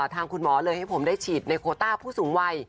ทางคุณหมอเลยให้ผมได้ฉีดในโคต้าผู้สูงวัย